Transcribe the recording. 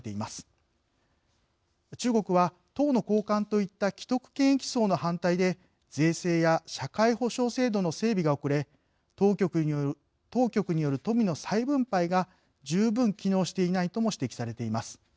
中国は党の高官といった既得権益層の反対で税制や社会保障制度の整備が遅れ当局による富の再分配が十分機能していないとも指摘されています。